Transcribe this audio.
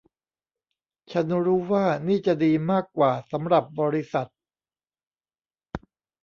ฉันรู้ว่านี่จะดีมากกว่าสำหรับบริษัท